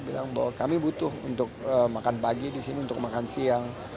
bilang bahwa kami butuh untuk makan pagi di sini untuk makan siang